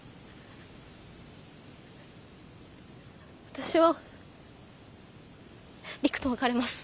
私は陸と別れます。